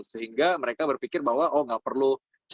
sehingga mereka berpikir bahwa oh nggak perlu